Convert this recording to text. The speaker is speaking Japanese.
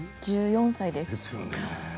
１４歳です。